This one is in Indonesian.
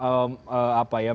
karena kita sudah berbincang